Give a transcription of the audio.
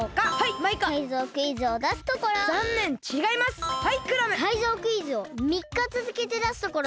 タイゾウクイズをみっかつづけてだすところ。